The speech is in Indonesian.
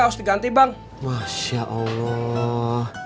kalau pusing minum obat